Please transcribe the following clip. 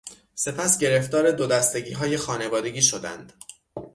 سپس گرفتار دودستگیهای خانوادگی شدند.